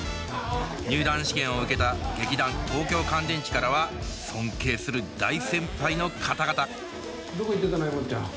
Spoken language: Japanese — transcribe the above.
入団試験を受けた劇団東京乾電池からは尊敬する大先輩の方々どこ行ってたのえもっちゃん。